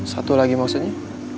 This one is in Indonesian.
satu lagi maksudnya